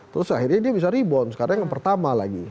terus akhirnya dia bisa rebound sekarang yang pertama lagi